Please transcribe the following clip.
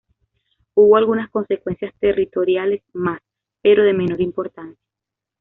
Hubo algunas consecuencias territoriales más, pero de menor importancia.